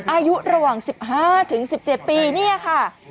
อายุระหว่าง๑๕๑๗ปีเนี่ยค่ะ